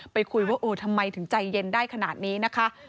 คุยว่าเออทำไมถึงใจเย็นได้ขนาดนี้นะคะ